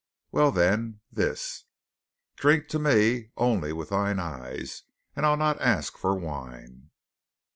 Well, then, this: "Drink to me only with thine eyes, And I'll not ask for wine!"